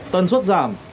tân suất giảm